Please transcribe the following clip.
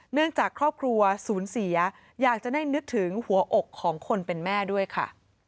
เนื่องจากครอบครัวสูญเสียอยากจะได้นึกถึงหัวอกของคนเป็นแม่ด้วยค่ะ